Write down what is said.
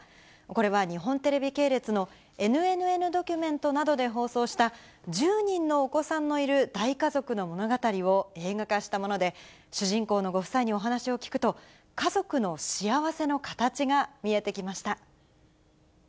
これは、日本テレビ系列のＮＮＮドキュメントなどで放送した１０人のお子さんのいる大家族の物語を映画化したもので、主人公のご夫妻にお話を聞くと、家族の幸せのかたちが見えてきました。